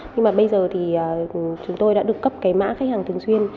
nhưng mà bây giờ thì chúng tôi đã được cấp cái mã khách hàng thường xuyên